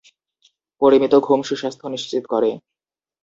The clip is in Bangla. পরিমিত ঘুম সুস্বাস্থ্য নিশ্চিত করে।